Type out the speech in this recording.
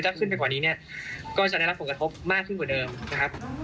ถ้าขึ้นไปกว่านี้เนี่ยก็จะได้รับผลกระทบมากขึ้นกว่าเดิมนะครับ